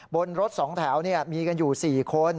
บนรถสองแถวนี่มีกันอยู่๔คน